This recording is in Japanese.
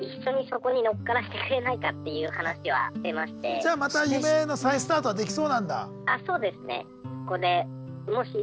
☎で経営始めたのでじゃあまた夢の再スタートはできそうなんだ？